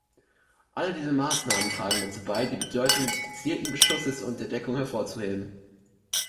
Alle diese Maßnahmen tragen dazu bei, die Bedeutung des gezielten Beschusses und der Deckung hervorzuheben.